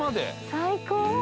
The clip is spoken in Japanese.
最高！